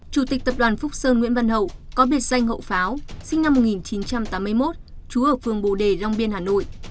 chủ tịch tập đoàn phúc sơn nguyễn văn hậu có biệt danh hậu pháo sinh năm một nghìn chín trăm tám mươi một trú ở phường bồ đề long biên hà nội